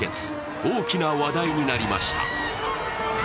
大きな話題となりました。